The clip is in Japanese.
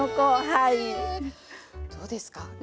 どうですか？